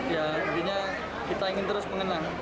ya intinya kita ingin terus mengenang